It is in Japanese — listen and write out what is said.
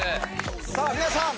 さあ皆さん